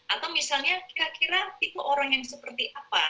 atau misalnya kira kira tipe orang yang seperti apa